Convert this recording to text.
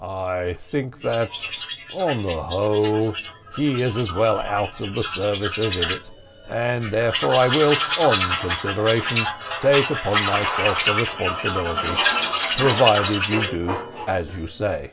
"I think that, on the whole, he is as well out of the service as in it, and therefore I will, on consideration, take upon myself the responsibility, provided you do as you say."